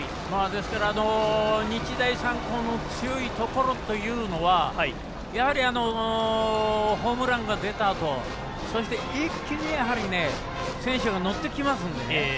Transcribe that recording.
ですから日大三高の強いところというのはやはり、ホームランが出たあとそして、一気に選手も乗ってきますのでね。